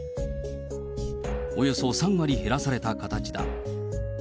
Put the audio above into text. およそ３割減らされた形だ。